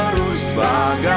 tolong sebanyak ya